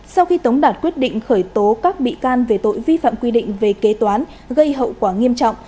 sau khi tống đạt quyết định khởi tố các bị can về tội vi phạm quy định về kế toán gây hậu quả nghiêm trọng